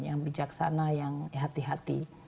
yang bijaksana yang hati hati